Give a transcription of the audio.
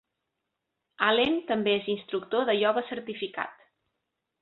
Allen també és instructor de ioga certificat.